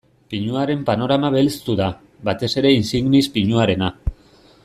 Pinuaren panorama belztu da, batez ere insignis pinuarena.